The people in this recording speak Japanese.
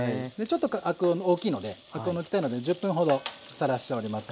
ちょっと大きいのでアクを抜きたいので１０分ほどさらしております。